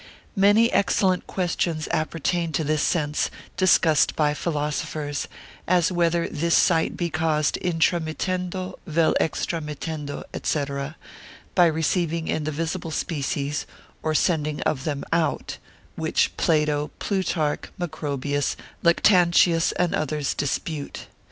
Many excellent questions appertain to this sense, discussed by philosophers: as whether this sight be caused intra mittendo, vel extra mittendo, &c., by receiving in the visible species, or sending of them out, which Plato, Plutarch, Macrobius, Lactantius and others dispute.